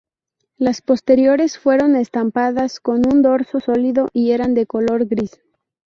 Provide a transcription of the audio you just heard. Las posteriores fueron estampadas con un dorso sólido y eran de color gris.